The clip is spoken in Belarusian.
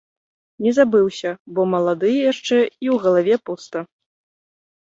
Не забыўся, бо малады яшчэ і ў галаве пуста.